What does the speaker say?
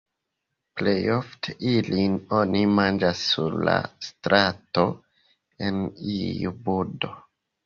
Plejofte ilin oni manĝas sur la strato en iu budo.